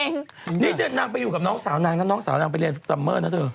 นี่ดูสินั่งเซ็กซี่นะเธอ